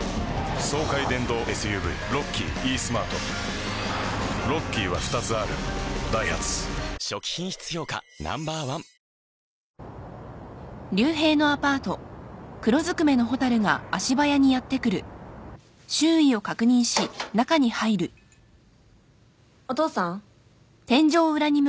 爽快電動ＳＵＶロッキーイースマートロッキーは２つあるダイハツ初期品質評価Ｎｏ．１お父さん？